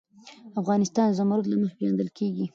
افغانستان د زمرد له مخې پېژندل کېږي.